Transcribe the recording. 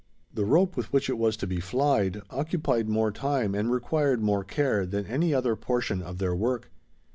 The rope with which it was to be "flyed," occupied more time, and required more care, than any other portion of their work.